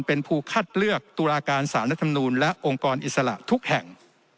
เป็นผู้คัดเลือกตุลาการสารรัฐมนูลและองค์กรอิสระทุกแห่ง